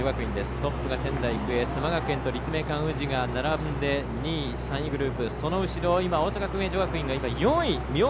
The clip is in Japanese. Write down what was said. トップが仙台育英須磨学園と立命館宇治が並んでその後ろ、大阪薫英女学院が４位。